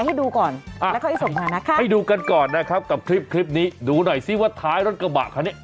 อีกครับ